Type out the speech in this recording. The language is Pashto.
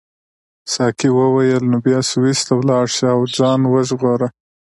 ساقي وویل نو بیا سویس ته ولاړ شه او ځان وژغوره.